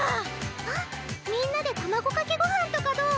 あっみんなで卵かけ御飯とかどう？